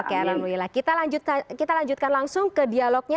oke alhamdulillah kita lanjutkan langsung ke dialognya